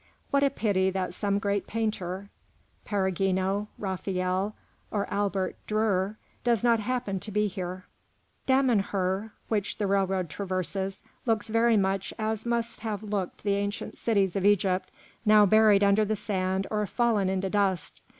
What a pity that some great painter, Perugino, Raphael, or Albert Dürer, does not happen to be here. Damanhûr, which the railroad traverses, looks very much as must have looked the ancient cities of Egypt, now buried under the sand or fallen into dust.